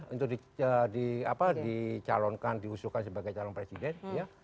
untuk di calonkan diusulkan sebagai calon presiden ya